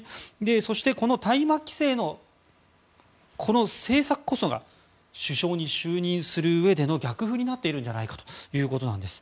そして、この大麻規制の政策こそが首相に就任するうえでの逆風になっているのではないかということです。